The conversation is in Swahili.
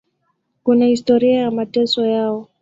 Kuna historia ya mateso yao.